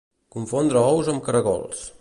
Confondre ous amb caragols.